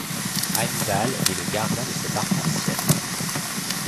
Heimdall est le gardien de cet arc-en-ciel.